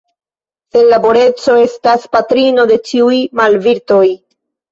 Senlaboreco estas patrino de ĉiuj malvirtoj.